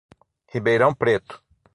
Ribeirão Preto